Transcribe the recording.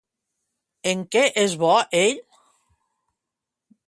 En què és bo ell?